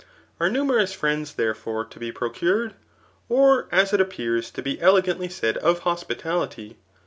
Are numerous friends, therefore, to be procured ? or, as it appears to be elegantly said of hospitality.